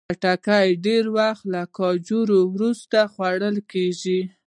خټکی ډېر وخت له کجورو وروسته خوړل کېږي.